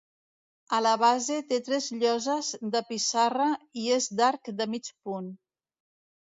A la base té tres lloses de pissarra i és d'arc de mig punt.